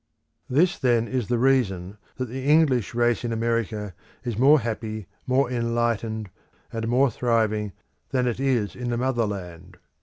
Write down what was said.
This then is the reason that the English race in America is more happy, more enlightened, and more thriving, than it is in the motherland.